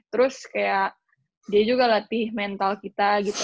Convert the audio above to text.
terus kayak dia juga latih mental kita gitu